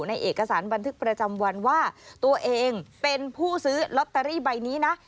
ในเอกสารบันทึกประจำวันว่าตัวเองเป็นผู้ซื้อลอตเตอรี่ใบนี้นะ